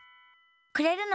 くれるの？